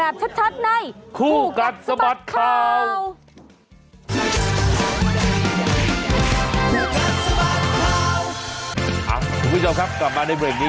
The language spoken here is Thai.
คุณผู้ชมครับกลับมาในเบรกนี้